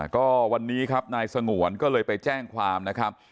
ก็วันนี้ครับนายสงวนก็เลยไปแจ้งความนะครับ